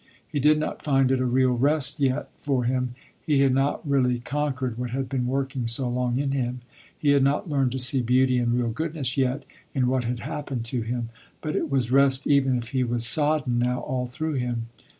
He did not find it a real rest yet for him, he had not really conquered what had been working so long in him, he had not learned to see beauty and real goodness yet in what had happened to him, but it was rest even if he was sodden now all through him.